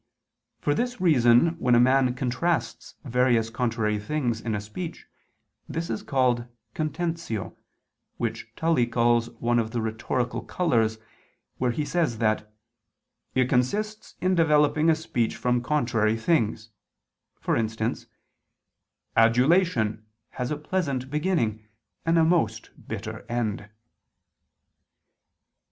For this reason when a man contrasts various contrary things in a speech, this is called contentio, which Tully calls one of the rhetorical colors (De Rhet. ad Heren. iv), where he says that "it consists in developing a speech from contrary things," for instance: "Adulation has a pleasant beginning, and a most bitter end."